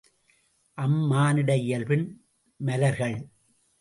அம்மானிட இயல்பின் மலர்கள்.